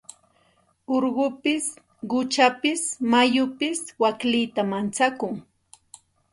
Urqupis quchapis mayupis waklita manchakun.